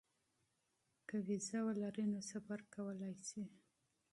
که وېزه ولري نو سفر کولی شي.